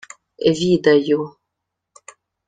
— Відаю.